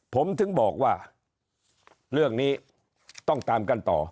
ผมถึงบอกว่าเรื่องนี้ต้องตามกันต่อ